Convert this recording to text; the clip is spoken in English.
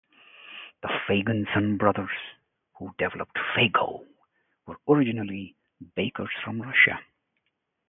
The Feigenson brothers, who developed Faygo, were originally bakers from Russia.